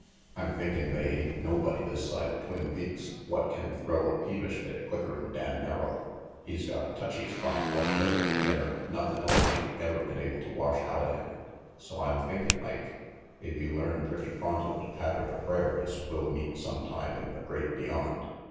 " I'm thinking they ain't nobody this side the Twin Peaks what can throw a peevish fit quicker'n Dan Merrill. RANGY PETE 3 He's got a touchy spot what licker ner nothing else ain't been able to wash outa him, so I'm thinkin', Ike, if you learn pretty pronto to patter the prayers, we'll meet sometime in the Great Beyond.